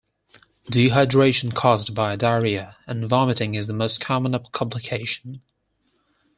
Dehydration caused by diarrhea and vomiting is the most common complication.